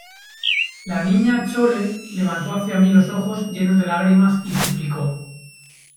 la Niña Chole levantó hacia mí los ojos llenos de lágrimas, y suplicó: